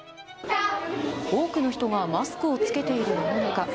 多くの人がマスクを着けている世の中。